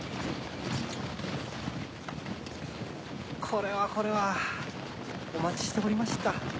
これはこれはお待ちしておりました。